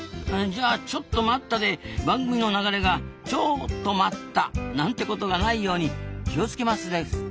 じゃあ「ちょっと待った」で番組の流れが「超止まった」なんてことがないように気を付けますです。